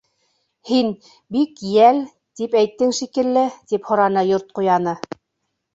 —Һин: «Бик йәл», тип әйттең шикелле? —тип һораны Йорт ҡуяны.